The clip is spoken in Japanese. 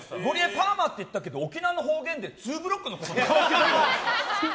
ゴリエ、パーマって言ってたけど沖縄の方言でツーブロックのことよ。